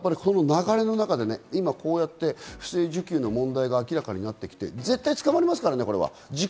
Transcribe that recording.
ただ流れの中で今こうやって不正受給の問題が明らかになってきて絶対捕まりますからね、これは。